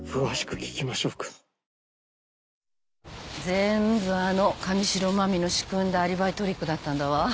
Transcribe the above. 全部あの神代真実の仕組んだアリバイトリックだったんだわ。